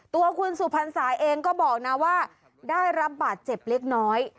ตัวคุณสุพรรษาเองก็บอกนะว่าได้รับบาดเจ็บเล็กน้อย